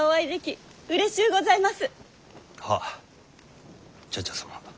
はっ茶々様。